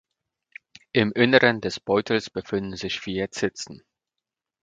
Im Inneren des Beutels befinden sich vier Zitzen.